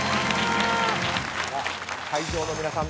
会場の皆さん